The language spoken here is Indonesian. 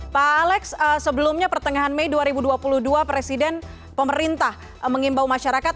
pak alex sebelumnya pertengahan mei dua ribu dua puluh dua presiden pemerintah mengimbau masyarakat